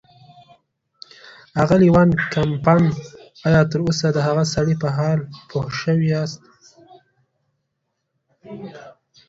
اغلې وان کمپن، ایا تراوسه د هغه سړي په حال پوه شوي یاست.